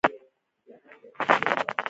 د خیټې د درد لپاره نعناع، زیره او بادیان وکاروئ